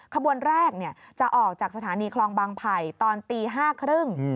ขบวนแรกจะออกจากสถานีคลองบางไผ่ตอนตี๕๓๐